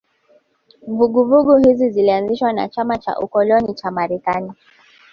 Vuguvugu hizi zilianzishwa na chama cha ukoloni cha Marekani